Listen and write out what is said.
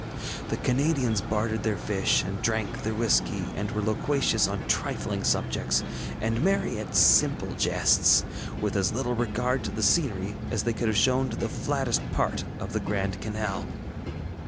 The Canadians bartered their fish and drank their whiskey, and were loquacious on trifling subjects, and merry at simple jests, with as little regard to the scenery as they could have to the flattest part of the Grand Canal.